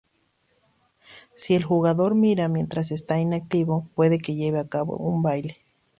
Si el jugador mira, mientras está inactivo, puede que lleve a cabo un baile.